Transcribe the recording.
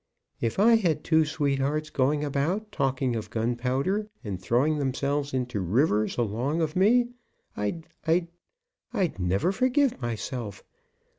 If I had two sweethearts going about talking of gunpowder, and throwing themselves into rivers along of me, I'd I'd I'd never forgive myself.